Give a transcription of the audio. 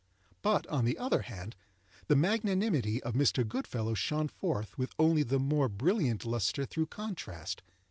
But, on the other hand, the magnanimity of Mr. Goodfellow shone forth with only the more brilliant lustre through contrast.